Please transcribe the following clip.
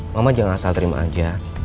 mama jangan asal terima aja